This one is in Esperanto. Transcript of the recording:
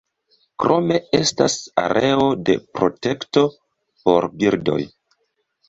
Krome estas areo de protekto por birdoj.